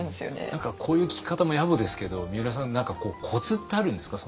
何かこういう聞き方もやぼですけどみうらさん何かコツってあるんですか？